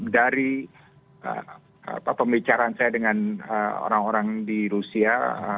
dari pembicaraan saya dengan orang orang di rusia